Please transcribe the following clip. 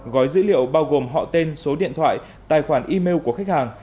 gói dữ liệu bao gồm họ tên số điện thoại tài khoản email của khách hàng